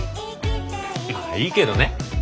まあいいけどね。